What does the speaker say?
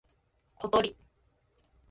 ことり